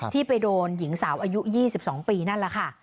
ที่ไปโดนหญิงสาวอายุ๒๒ปีนั่นแหละค่ะ